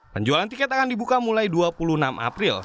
penjualan tiket akan dibuka mulai dua puluh enam april